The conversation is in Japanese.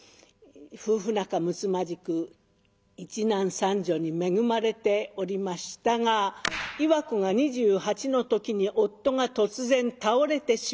夫婦仲むつまじく一男三女に恵まれておりましたが岩子が２８の時に夫が突然倒れてしまいます。